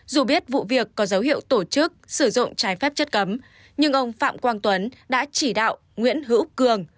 dù biết vụ việc có dấu hiệu tổ chức sử dụng trái phép chất cấm nhưng ông phạm quang tuấn đã chỉ đạo nguyễn hữu cường